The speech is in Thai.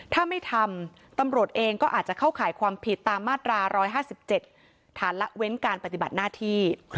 ถ้าไม่ทำตำรวจเองก็อาจจะเข้าข่ายความผิดตามมาตรา๑๕๗ฐานละเว้นการปฏิบัติหน้าที่